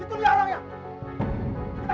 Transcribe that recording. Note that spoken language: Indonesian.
itu dia orangnya